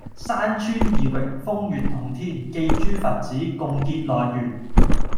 山川異域，風月同天，寄諸佛子，共結來緣